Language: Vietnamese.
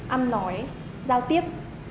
âm nói giao tiếp